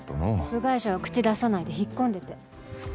「部外者は口出さないで引っ込んでて」